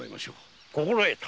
心得た。